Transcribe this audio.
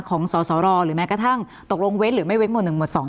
ของส่อรอหรือแม้กระทั่งตกลงเว้นหรือไม่เว้นหมดหนึ่งหมดสอง